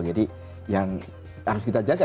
jadi yang harus kita jaga